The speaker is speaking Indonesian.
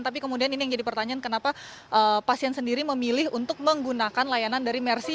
tapi kemudian ini yang jadi pertanyaan kenapa pasien sendiri memilih untuk menggunakan layanan dari mercy